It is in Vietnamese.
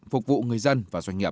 phục vụ người dân và doanh nghiệp